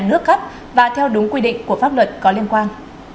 nước cấp và theo đúng quy định của pháp luật có liên quan